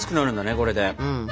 これで。